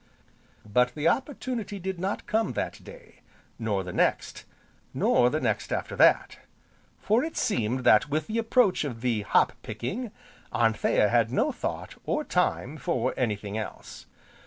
But the opportunity did not come that day, nor the next, nor the next after that, for it seemed that with the approach of the "Hop picking" Anthea had no thought, or time, for anything else.